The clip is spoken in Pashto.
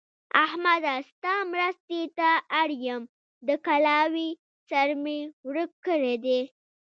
احمده! ستا مرستې ته اړ يم؛ د کلاوې سر مې ورک کړی دی.